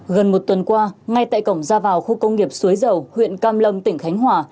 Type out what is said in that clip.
gần một tuần qua ngay tại cổng ra vào khu công nghiệp suối dầu huyện cam lâm tỉnh khánh hòa